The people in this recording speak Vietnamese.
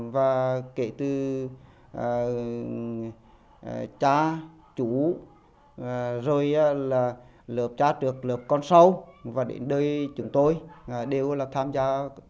và kể từ cha chú rồi là lớp cha trước lớp con sâu và đến đây chúng tôi đều là tham gia